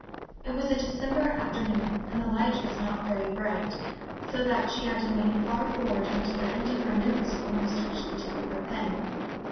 It was a December afternoon, and the light was not very bright, so that she had to lean far forward until the end of her nose almost touched the tip of her pen.